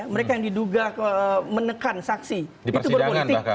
mereka yang diduga menekan saksi itu berpolitik